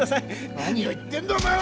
何を言ってんだお前は！